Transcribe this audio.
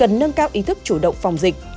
hơn cao ý thức chủ động phòng dịch